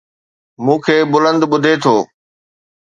مون کي بلند ٻڌي ٿو